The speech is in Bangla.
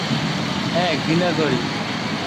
হাঁ, ঘৃণা করি।